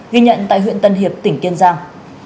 ghi nhận tại huyện tân hiệp tỉnh kiên giang